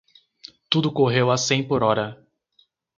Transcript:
Tudo correu a cem por hora.